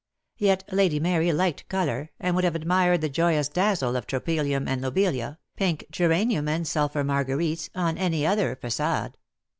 Yet Lady Mary liked colour, and would have admired the joyous dazzle of tropelium and lobelia, pink geranium and sulphur marguerites, on any other facade.